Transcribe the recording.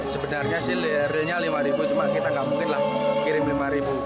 sebenarnya hasilnya lima ribu cuma kita gak mungkin lah kirim lima ribu